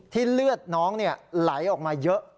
เลือดน้องไหลออกมาเยอะ